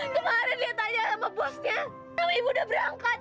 kemarin dia tanya sama bosnya sama ibu udah berangkat